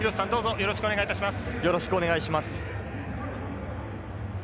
よろしくお願いします。